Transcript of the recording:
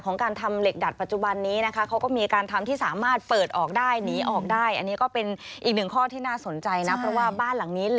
ออกไม่ได้นะคะ